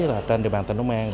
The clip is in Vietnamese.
có khả năng là những tháng tới